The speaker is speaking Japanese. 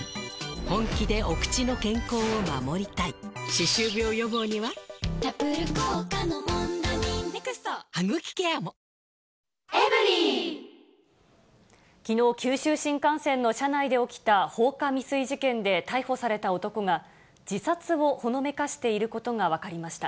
市場に注文しても、１０個ときのう、九州新幹線の車内で起きた放火未遂事件で逮捕された男が、自殺をほのめかしていることが分かりました。